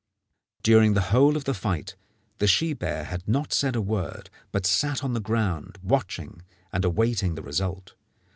During the whole of the fight the she bear had not said a word, but sat on the ground watching and awaiting the result.